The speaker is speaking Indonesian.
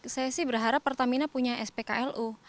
saya sih berharap pertamina punya spklu